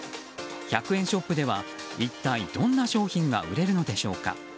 １００円ショップでは一体どんな商品が売れるでしょうか。